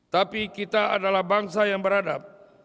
tapi kita adalah bangsa yang beradab